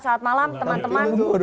selamat malam teman teman